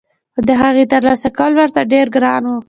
خو دهغې ترلاسه کول ورته ډېر ګران وو